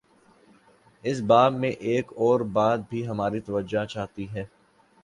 اس باب میں ایک اور بات بھی ہماری توجہ چاہتی ہے۔